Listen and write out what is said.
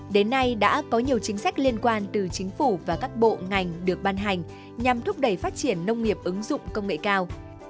đến nay đã có nhiều chính sách liên quan từ chính phủ và các bộ ngành được ban hành nhằm thúc đẩy phát triển nông nghiệp ứng dụng công nghệ cao